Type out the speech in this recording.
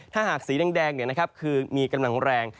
ถ้าหากสีแดงคือมีกำลังแรง